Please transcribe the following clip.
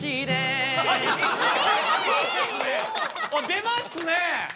出ますね！